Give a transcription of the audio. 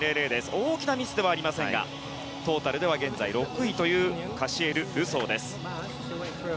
大きなミスではありませんがトータルでは現在６位というカシエル・ルソーです。